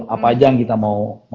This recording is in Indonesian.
apa aja yang kita mau